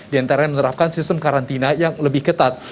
di antara menerapkan sistem karantina yang lebih ketat